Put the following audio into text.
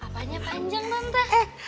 apanya panjang tante